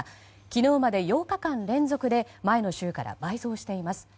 昨日まで８日間連続で前の週から倍増しています。